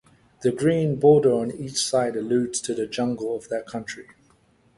The green border on each side alludes to the jungle of that country.